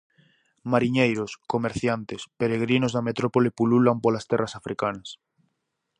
Mariñeiros, comerciantes, peregrinos da metrópole pululan polas terras africanas.